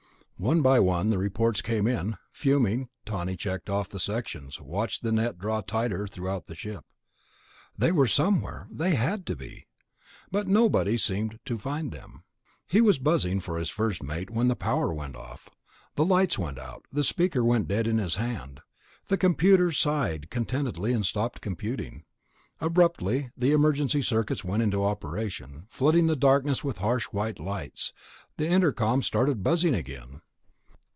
One by one the reports came in. Fuming, Tawney checked off the sections, watched the net draw tighter throughout the ship. They were somewhere, they had to be.... But nobody seemed to find them. He was buzzing for his first mate when the power went off. The lights went out, the speaker went dead in his hand. The computers sighed contentedly and stopped computing. Abruptly the emergency circuits went into operation, flooding the darkness with harsh white lights. The intercom started buzzing again.